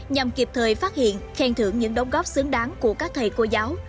nhằm kịp thời phát hiện khen thưởng những đóng góp xứng đáng của các thầy cô giáo